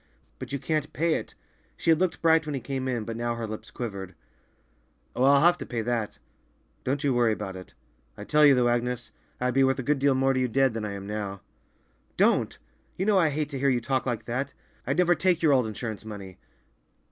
"But you can't pay it!" She had looked bright when he came in, but now her lips quivered. "Oh, I'll have to pay that; don't you worry about it. I tell you, though, Agnes, I'd be worth a good deal more to you dead than I am now." "Don't! You know I hate to hear you talk like that. I'd never take your old insurance money."